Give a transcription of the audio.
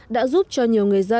đã giúp cho nhiều người dân